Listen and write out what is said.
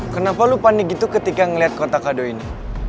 kenapa lo panik gitu ketika ngeliat kota kado ini